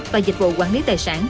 và dịch vụ quản lý tài sản